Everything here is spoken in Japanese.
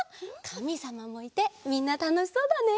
かみさまもいてみんなたのしそうだね。